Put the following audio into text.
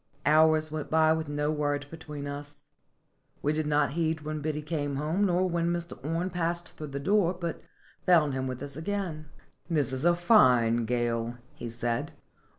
Hours went by with no word between us. We did not heed when Biddy came home, nor know when Mr. Orne passed through the door, but found him with us again. "This is a fine gale," he said.